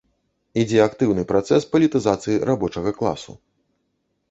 Ідзе актыўны працэс палітызацыі рабочага класу.